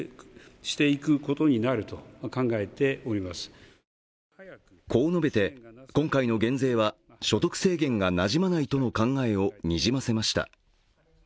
今夜、岸田総理はこう述べて、今回の減税は所得制限がなじまないとの考えをにじませました。